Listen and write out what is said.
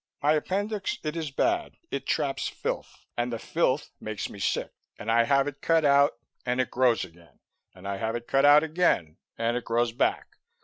My appendix, it is bad; it traps filth, and the filth makes me sick. And I have it cut out and it grows again; and I have it cut out again, and it grows back.